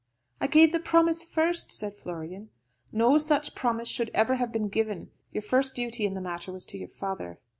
"I gave the promise first," said Florian. "No such promise should ever have been given. Your first duty in the matter was to your father."